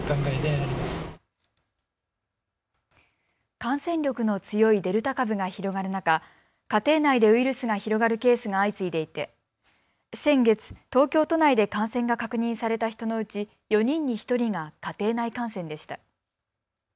感染力の強いデルタ株が広がる中、家庭内でウイルスが広がるケースが相次いでいて先月、東京都内で感染が確認された人のうち４人に１人が家庭内感染でした。